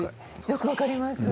よく分かります。